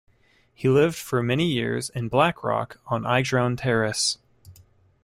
He lived for many years in Blackrock on Idrone Terrace.